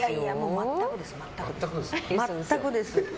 全くです。